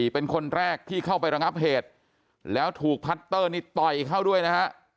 เป็นคนแรกที่เข้าไประงับเหตุแล้วถูกพัตเตอร์นี่ต่อยเข้าด้วยนะฮะ